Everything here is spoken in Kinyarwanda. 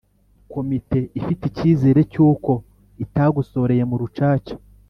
komite ifite icyizere cy'uko itagosoreye mu rucaca